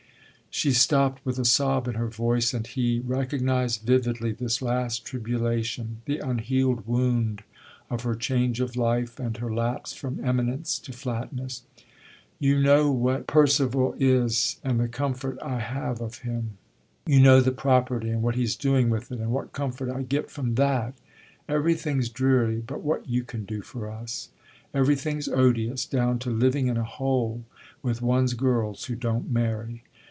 She stopped with a sob in her voice and he recognised vividly this last tribulation, the unhealed wound of her change of life and her lapse from eminence to flatness. "You know what Percival is and the comfort I have of him. You know the property and what he's doing with it and what comfort I get from that! Everything's dreary but what you can do for us. Everything's odious, down to living in a hole with one's girls who don't marry.